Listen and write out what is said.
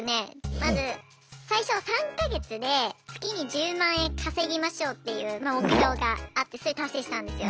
まず最初３か月で月に１０万円稼ぎましょうっていう目標があってそれ達成したんですよ。